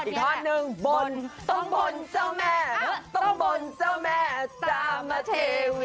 ท่อนหนึ่งบนต้องบ่นเจ้าแม่ต้องบ่นเจ้าแม่จามเทวี